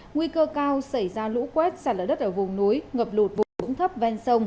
nguy cơ cao xảy ra lũ quét sàn lở đất ở vùng núi ngập lụt vùng thấp ven sông